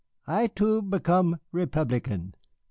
"I, too, become Republican.